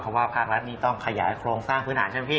เพราะว่าภาครัฐนี่ต้องขยายโครงสร้างพื้นฐานใช่ไหมพี่